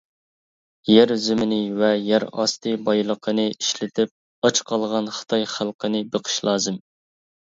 يەر زېمىنى ۋە يەر ئاستى بايلىقىنى ئىشلىتىپ ئاچ قالغان خىتاي خەلقىنى بېقىش لازىم.